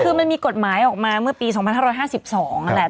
คือมันมีกฎหมายออกมาเมื่อปี๒๕๕๒นั่นแหละ